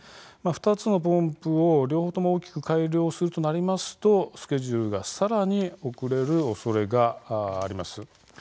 ２つのポンプを両方とも大きく改良するとなりますとスケジュールがさらに遅れるおそれがあります。